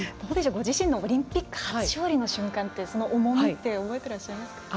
ご自身のオリンピック初勝利の瞬間ってその重みって覚えてますか。